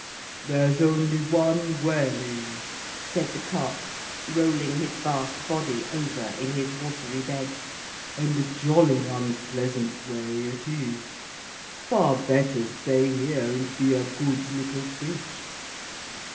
'There's only one way,' said the Carp rolling his vast body over in his watery bed, 'and a jolly unpleasant way it is. Far better stay here and be a good little fish.